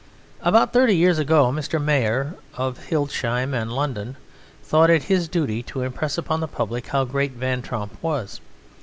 About thirty years ago Mr. Mayor (of Hildesheim and London) thought it his duty to impress upon the public how great Van Tromp was.